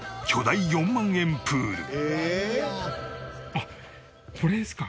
あっこれですか？